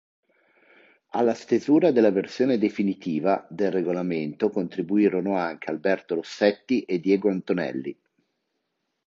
Alla stesura della versione definitiva del regolamento contribuirono anche Alberto Rossetti e Diego Antonelli.